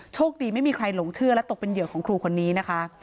โชคดีไม่มีใครหลงเชื่อและตกเป็นเหยื่อของครูคนนี้นะคะ